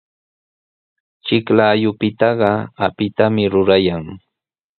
Chiklayupitaqa apitami rurayan.